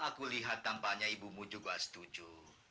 aku lihat tampaknya ibumu juga setuju